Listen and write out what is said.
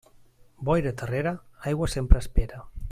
Boira terrera, aigua sempre espera.